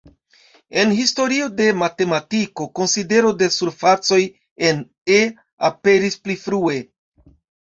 En historio de matematiko konsidero de surfacoj en E" aperis pli frue.